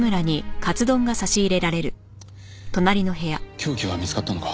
凶器は見つかったのか？